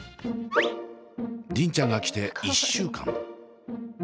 梨鈴ちゃんが来て１週間。